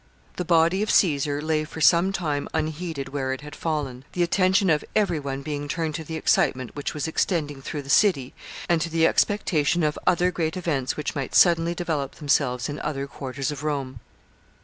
] The body of Caesar lay for some time unheeded where it had fallen, the attention of every one being turned to the excitement, which was extending through the city, and to the expectation of other great events which might suddenly develop themselves in other quarters of Rome.